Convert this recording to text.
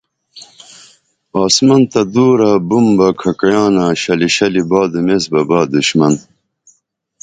آسمن تہ دورہ بُم بہ کھکیعیانہ شلی شلی بادُم ایس بابہ دُشمن